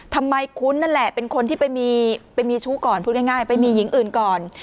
ทำไมคุณนั่นแหละเป็นคนที่ไปมีชู้ก่อนพูดง่ายไปมีหญิงอื่นก่อน